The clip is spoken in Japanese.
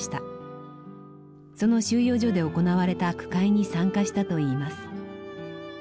その収容所で行われた句会に参加したといいます。